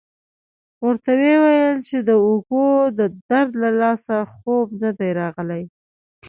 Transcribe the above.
ورته ویې ویل چې د اوږو د درد له لاسه خوب نه دی راغلی.